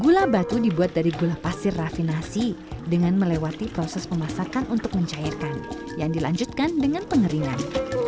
gula batu dibuat dari gula pasir rafinasi dengan melewati proses pemasakan untuk mencairkan yang dilanjutkan dengan pengeringan